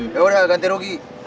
ya udah ganti rugi